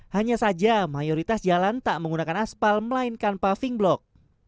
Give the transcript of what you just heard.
hanya saja mayoritas jalan tak menggunakan asfal melainkan puffing block